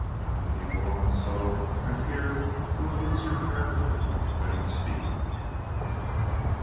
If you go on so, I fear you will lose your character for plain speaking!